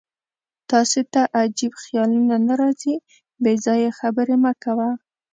تاسې ته عجیب خیالونه نه راځي؟ بېځایه خبرې مه کوه.